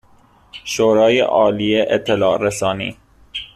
شورای عالی اطلاع رسانی